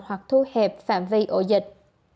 hoặc thu hẹp phạm vi ổ dịch